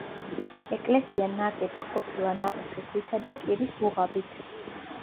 ეკლესია ნაგები ყოფილა ნატეხი ქვითა და კირის დუღაბით.